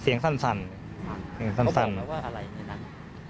เสียงสั้นเขาบอกว่าอะไรในนั้น